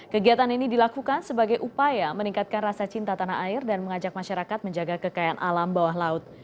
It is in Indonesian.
kegiatan ini dilakukan sebagai upaya meningkatkan rasa cinta tanah air dan mengajak masyarakat menjaga kekayaan alam bawah laut